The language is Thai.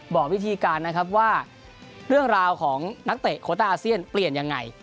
บอกวิธีการนะครับว่าเรื่องราวของนักเตะโคต้าอาเซียนเปลี่ยนยังไง